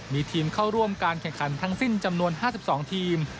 มีทีมเข้าร่วมการแข่งขันทั้งสิ้นจำนวน๕๒ทีม